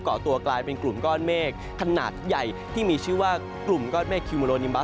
เกาะตัวกลายเป็นกลุ่มก้อนเมฆขนาดใหญ่ที่มีชื่อว่ากลุ่มก้อนเมฆคิวโมโลนิมบั